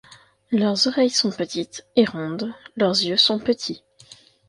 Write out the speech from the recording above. Leurs oreilles sont petites et rondes, leurs yeux sont petits.